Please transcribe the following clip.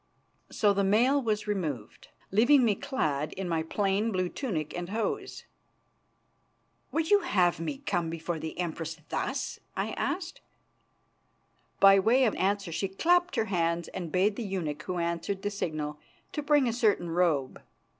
So the mail was removed, leaving me clad in my plain blue tunic and hose. "Would you have me come before the Empress thus?" I asked. By way of answer she clapped her hands and bade the eunuch who answered the signal to bring a certain robe.